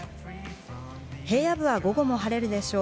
平野部は午後も晴れるでしょう。